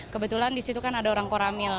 kebetulan di situ kan ada orang koramil